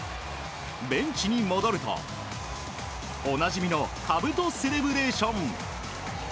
ベンチに戻ると、おなじみのかぶとセレブレーション。